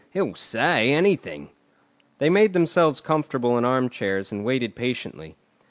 He'll say anything." They made themselves comfortable in armchairs and waited patiently.